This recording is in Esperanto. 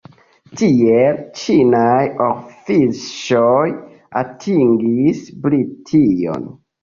Tiel ĉinaj orfiŝoj atingis Brition.